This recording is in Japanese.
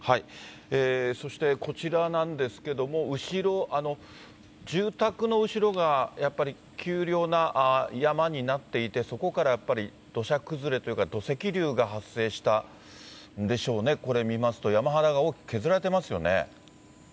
そしてこちらなんですけども、後ろ、住宅の後ろがやっぱりきゅうりょうな山になっていて、そこからやっぱり、土砂崩れというか、土石流が発生したんでしょうね、これ見ますと、山肌が大きく削られてますよね。